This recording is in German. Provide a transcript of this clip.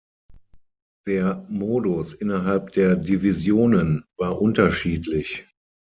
Der Modus innerhalb der Divisionen war unterschiedlich.